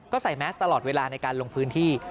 ก็ใส่แมสตลอดเวลาในการลงพื้นที่